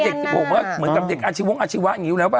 เหมือนกับเด็กอาชิวะอยู่แล้วป่ะ